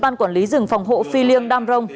ban quản lý rừng phòng hộ phi liêng đam rông